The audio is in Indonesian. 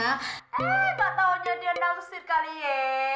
eh katanya diandang listrik kali ya